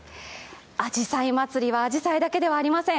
あじさいまつりはあじさいだけではありません。